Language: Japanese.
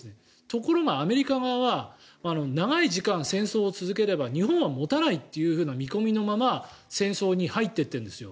ところが、アメリカは長い時間戦争をすれば日本は持たないという見込みで戦争に入っていってるんですよ。